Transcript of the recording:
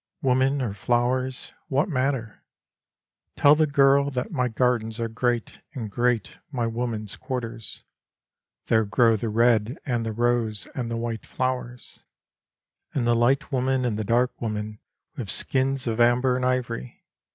Women or flowers, what matter ? Tell the girl That my gardens are great and great my women^s quarters. There grow the red and the rose and the wJiite flowers, And the light women and the dark women, with skins of amber and ivory.